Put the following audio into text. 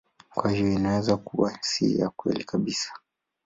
Kwa hiyo hii inaweza kuwa si kweli kabisa.